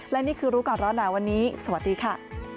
และนี่คือรู้ก่อนร้อนหนาวันนี้สวัสดีค่ะ